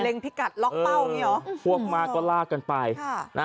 เล็งพิกัดล็อกเป้าอย่างนี้เหรอ